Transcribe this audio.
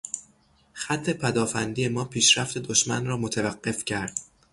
خط پدافندی ما پیشرفت دشمن را متوقف کرد.